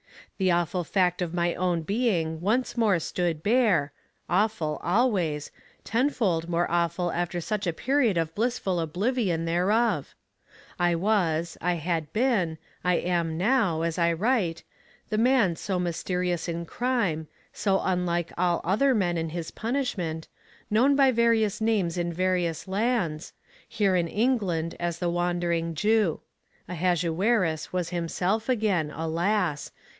The awful fact of my own being once more stood bare awful always tenfold more awful after such a period of blissful oblivion thereof: I was, I had been, I am now, as I write, the man so mysterious in crime, so unlike all other men in his punishment, known by various names in various lands here in England as the Wandering Jew. Ahasuerus was himself again, alas!